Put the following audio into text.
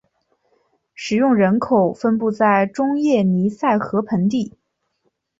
使用人口分布在中叶尼塞河盆地。